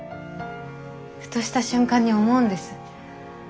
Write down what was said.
ふとした瞬間に思うんです。